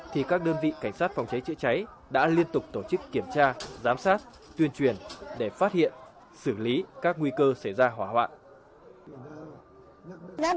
thì các đơn vị cảnh sát phòng cháy chữa cháy đã liên tục tổ chức kiểm tra giám sát tuyên truyền để phát hiện xử lý các nguy cơ xảy ra hỏa hoạn